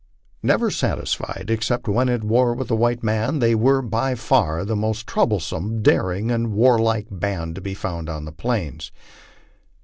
Never satisfied except when at war with the white man, they were by far the most troublesome, daring, and war like band to be found on the Plains.